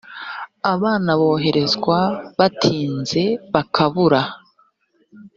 abana boherezwa batinze bakabura